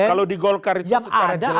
kalau di golkar itu secara jelas dan nyata